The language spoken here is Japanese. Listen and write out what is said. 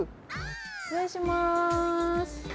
失礼します。